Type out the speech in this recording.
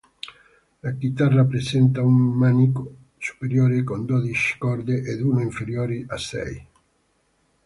La chitarra presenta un manico superiore con dodici corde ed uno inferiore a sei.